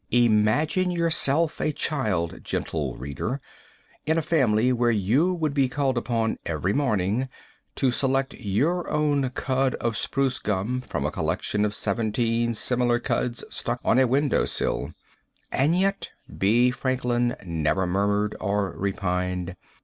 Imagine yourself a child, gentle reader, in a family where you would be called upon, every morning, to select your own cud of spruce gum from a collection of seventeen similar cuds stuck on a window sill. And yet B. Franklin never murmured or repined.